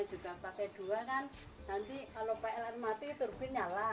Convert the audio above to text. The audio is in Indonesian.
juga pakai dua kan nanti kalau pln mati turbin nyala